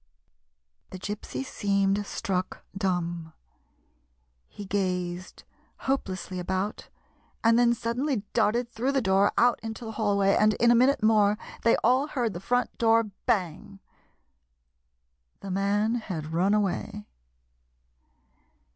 The Gypsy seemed struck dumb. He gazed hopelessly about, and then suddenly darted through the door, out into the hallway, and in a minute more they all heard the front door bang. The man had run away.